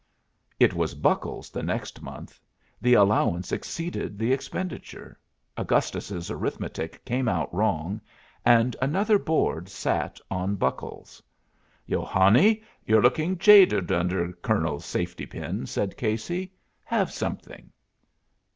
"It was buckles the next month. The allowance exceeded the expenditure, Augustus's arithmetic came out wrong, and another board sat on buckles. "Yo hanny, you're lookin' jaded under Colonel Safetypin." said Casey. "Have something?"